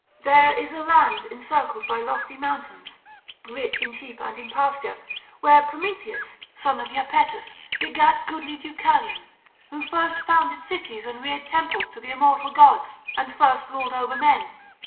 There is a land encircled by lofty mountains, rich in sheep and in pasture, where Prometheus, son of Iapetus, begat goodly Deucalion, who first founded cities and reared temples to the immortal gods, and first ruled over men.